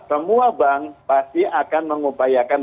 semua bank pasti akan mengupayakan